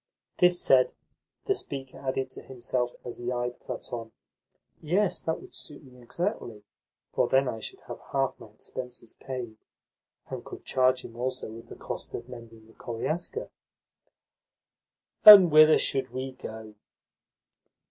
This said, the speaker added to himself as he eyed Platon: "Yes, that would suit me exactly, for then I should have half my expenses paid, and could charge him also with the cost of mending the koliaska." "And whither should we go?"